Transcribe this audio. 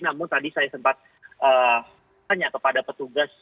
namun tadi saya sempat tanya kepada petugas